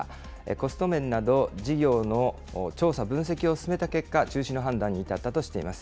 コスト面など事業の調査、分析を進めた結果、中止の判断に至ったとしています。